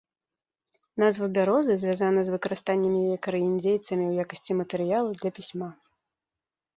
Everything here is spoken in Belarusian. Назва бярозы звязана з выкарыстаннем яе кары індзейцамі ў якасці матэрыялу для пісьма.